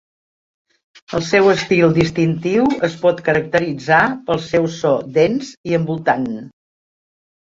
El seu estil distintiu es pot caracteritzar pel seu so dens i envoltant.